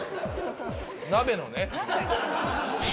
鍋のね。